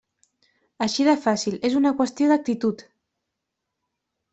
Així de fàcil, és una qüestió d'actitud.